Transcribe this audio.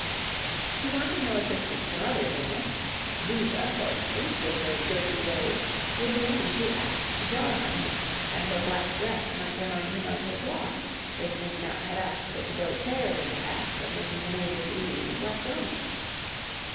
She wanted no assistance from others in this: Diva, for instance, with her jerky ways would be only too apt to jar on him, and her black dress might remind him of his loss if Miss Mapp had asked her to go shares in the task of making the Major's evenings less lonely.